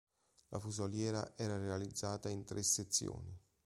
La fusoliera era realizzata in tre sezioni.